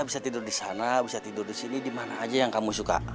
bisa tidur disana bisa tidur disini dimana aja yang kamu suka